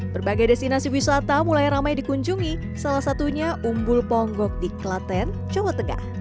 berbagai destinasi wisata mulai ramai dikunjungi salah satunya umbul ponggok di klaten jawa tengah